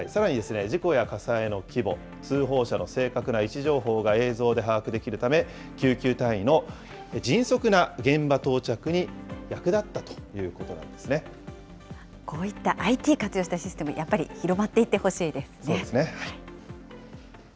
さらに、事故や火災の規模、通報者の正確な位置情報が映像で把握できるため、救急隊員の迅速な現場到着に役立ったということなんこういったＩＴ、活用したシステム、やっぱり広まっていってほしいですね。